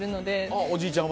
おじいちゃん